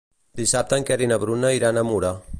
Dissabte en Quer i na Bruna iran a Mura.